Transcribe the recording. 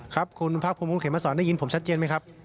ครับคุณภาคภูมิคุณเขมสอนได้ยินผมชัดเจนไหมครับ